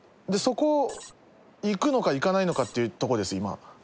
そこ行くのか行かないのかってとこです今。